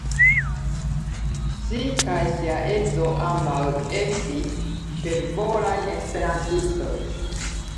Ŝi kaj ŝia edzo ambaŭ estis fervoraj esperantistoj.